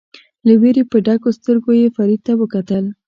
له وېرې په ډکو سترګو یې فرید ته وکتل.